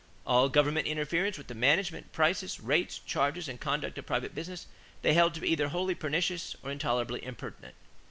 All government interference with the management, prices, rates, charges, and conduct of private business they held to be either wholly pernicious or intolerably impertinent.